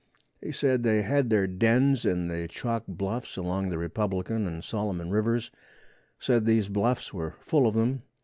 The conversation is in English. He said they had their dens in the Chalk Bluffs along the Republican and Solomon rivers; said these bluffs were full of them.